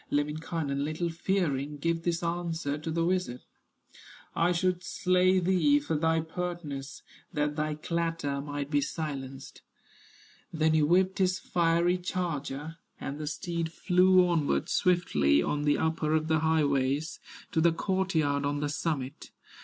Lemminkainen, little fearing, Gives this answer to the wizard: "I should slay thee for thy pertness, That thy clatter might be silenced." Then he whipped his fiery charger, And the steed flew onward swiftly, On the upper of the highways, To the court yard on the summit.